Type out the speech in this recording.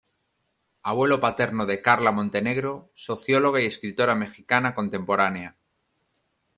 Abuelo paterno de Carla Montenegro; socióloga y escritora mexicana contemporánea.